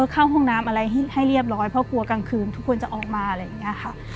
เข้าห้องน้ำอะไรให้เรียบร้อยเพราะกลัวกลางคืนทุกคนจะออกมาอะไรอย่างนี้ค่ะ